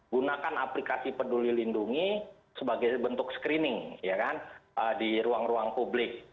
gunakan aplikasi peduli lindungi sebagai bentuk screening di ruang ruang publik